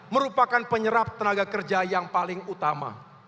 merupakan penyerap tenaga kerja yang paling utama